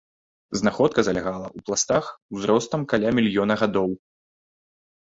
Знаходка залягала у пластах, узростам каля мільёна гадоў.